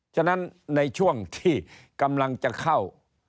ฉะนั้นในช่วงที่กำลังจะเข้า